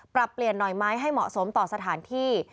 ปรับเปลี่ยนหน่อยไหมให้เหมาะสมต่อสถานที่